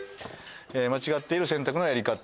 「間違っている洗濯のやり方」